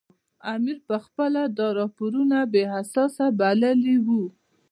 امیر پخپله دا راپورونه بې اساسه بللي وو.